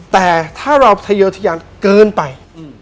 แต่ถ้าเราทะเยอะทะยานเกินไป